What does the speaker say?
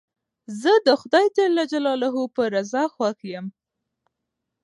زه د خدای جل جلاله په رضا خوښ یم.